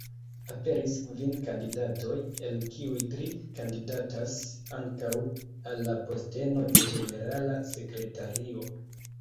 Aperis kvin kandidatoj, el kiuj tri kandidatas ankaŭ al la posteno de ĝenerala sekretario.